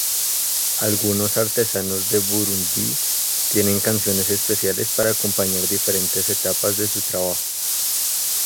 Algunos artesanos de Burundi tienen canciones especiales para acompañar diferentes etapas de su trabajo.